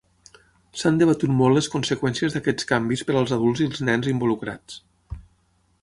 S'han debatut molt les conseqüències d'aquests canvis per als adults i els nens involucrats.